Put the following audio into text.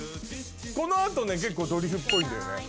この後ね結構ドリフっぽいんだよね。